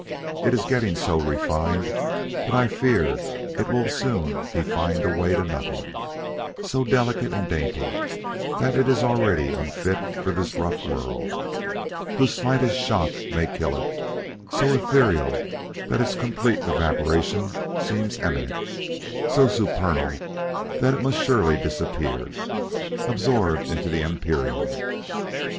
It is getting so refined that I fear it will soon be fined away to nothing; so delicate and dainty, that it is already unfit for this rough world, whose slightest shock may kill it; so ethereal that its complete evaporation seems imminent; so supernal that it must surely soon disappear, absorbed into the Empyrean.